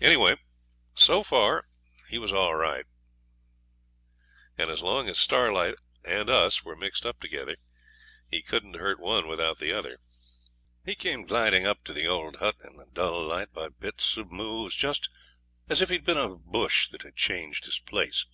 Anyway, so far he was all right, and as long as Starlight and us were mixed up together, he couldn't hurt one without the other. He came gliding up to the old hut in the dull light by bits of moves, just as if he'd been a bush that had changed its place.